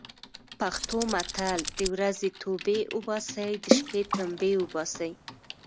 پښتو متل: د ورځې توبې اوباسي، د شپې تمبې اوباسي.